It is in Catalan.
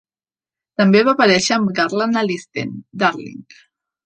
També va aparèixer amb Garland a Listen, Darling.